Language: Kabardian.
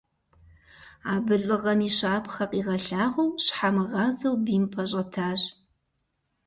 Абы лӀыгъэм и щапхъэ къигъэлъагъуэу, щхьэмыгъазэу бийм пэщӀэтащ.